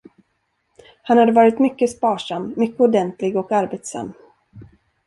Han hade varit mycket sparsam, mycket ordentlig och arbetsam.